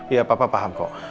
ya bapak paham kok